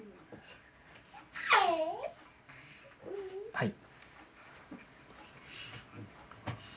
はい。